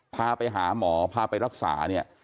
พาไปหาหมอพาไปรักษาเนี่ย